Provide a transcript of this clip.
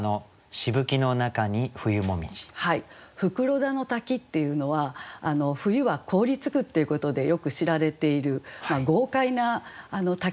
袋田の滝っていうのは冬は凍りつくっていうことでよく知られている豪快な滝ですよね。